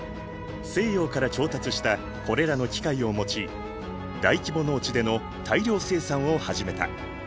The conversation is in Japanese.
西洋から調達したこれらの機械を用い大規模農地での大量生産を始めた。